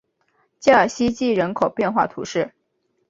加尔希济人口变化图示